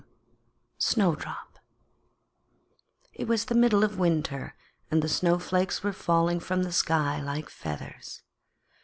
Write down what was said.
}] Snowdrop It was the middle of winter, and the snowflakes were falling from the sky like feathers.